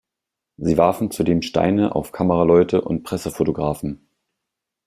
Sie warfen zudem Steine auf Kameraleute und Pressefotografen.